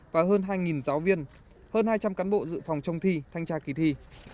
và hơn hai giáo viên hơn hai trăm linh cán bộ dự phòng trong thi thanh tra kỳ thi